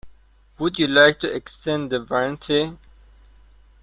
Would you like to extend the warranty?